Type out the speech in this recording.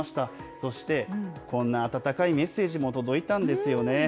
そして、こんな温かいメッセージも届いたんですよね。